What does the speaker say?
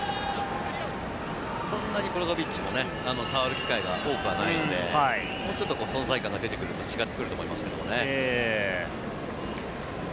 そんなにブロゾビッチも触る機会が多くないので、もうちょっと存在感が出てくると違ってくると思いますけどね。